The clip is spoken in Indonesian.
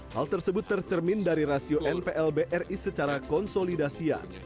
hal tersebut tercermin dari rasio npl bri secara konsolidasian